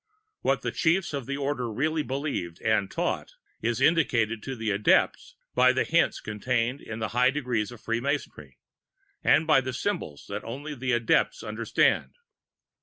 What the Chiefs of the Order really believed and taught, is indicated to the Adepts by the hints contained in the high Degrees of Free Masonry, and by the symbols which only the Adepts understand.